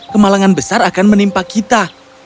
kemalangan besar akan menimpa kita